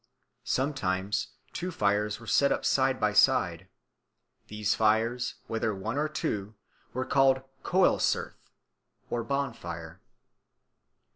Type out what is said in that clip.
Sometimes two fires were set up side by side. These fires, whether one or two, were called coelcerth or bonfire.